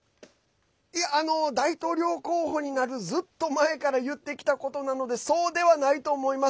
大統領候補になるずっと前から言ってきたことなのでそうではないと思います。